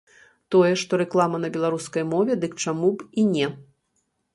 Тое, што рэклама на беларускай мове, дык чаму б і не?